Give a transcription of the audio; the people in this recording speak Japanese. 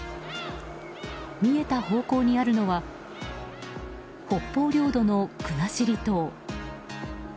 見えた方向にあるのは北方領土の国後島。